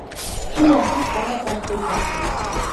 Тэр ялсан ч гайхаад байх зүйл байхгүй.